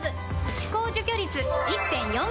歯垢除去率 １．４ 倍！